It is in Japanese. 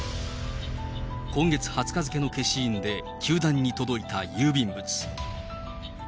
今月２０日付の消印で球団に届いた郵便物。